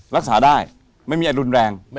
รักษาได้ไม่มีอะไรรุนแรง